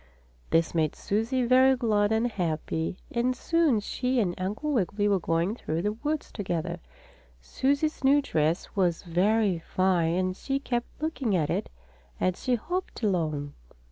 This made Susie very glad and happy, and soon she and Uncle Wiggily were going through the woods together. Susie's new dress was very fine and she kept looking at it as she hopped along.